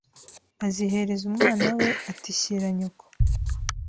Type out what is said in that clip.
Azihereza umwana we, ati Shyira nyoko